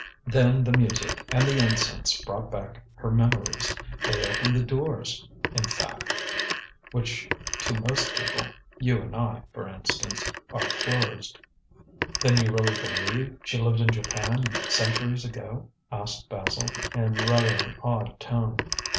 Then the music and the incense brought back her memories. They opened the doors, in fact, which, to most people you and I, for instance are closed." "Then you really believe she lived in Japan centuries ago?" asked Basil, in rather an awed tone.